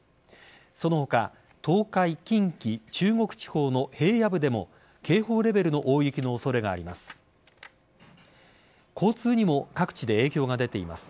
その他東海、近畿、中国地方の平野部でも警報レベルの大雪の恐れがあります。